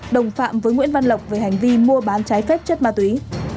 đồng phạm với nguyễn văn lộc về hành vi mua bán trái phép chất ma túy